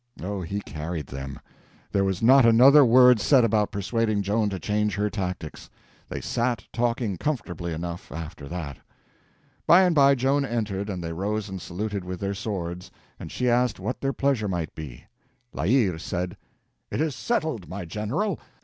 Oh, he carried them. There was not another word said about persuading Joan to change her tactics. They sat talking comfortably enough after that. By and by Joan entered, and they rose and saluted with their swords, and she asked what their pleasure might be. La Hire said: "It is settled, my General.